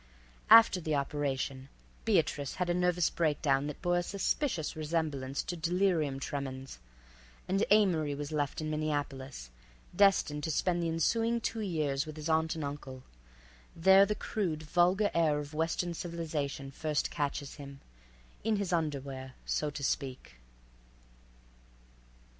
After the operation Beatrice had a nervous breakdown that bore a suspicious resemblance to delirium tremens, and Amory was left in Minneapolis, destined to spend the ensuing two years with his aunt and uncle. There the crude, vulgar air of Western civilization first catches him—in his underwear, so to speak.